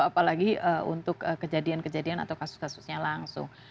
apalagi untuk kejadian kejadian atau kasus kasusnya langsung